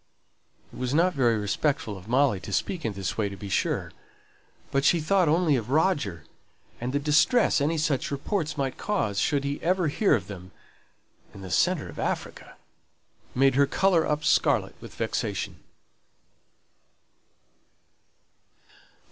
It was not very respectful of Molly to speak in this way to be sure, but she thought only of Roger; and the distress any such reports might cause, should he ever hear of them (in the centre of Africa!) made her colour up scarlet with vexation.